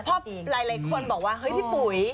เพราะหลายคนบอกว่าเฮ้ยพี่ปุ๋ย